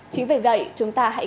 chính vì vậy chúng ta hãy